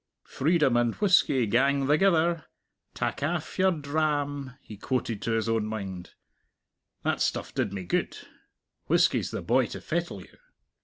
"Freedom and whisky gang thegither: tak aff your dram," he quoted to his own mind. "That stuff did me good. Whisky's the boy to fettle you."